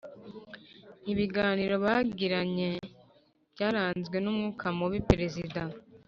ibiganiro bagiranye byaranzwe n'umwuka mubi. perezida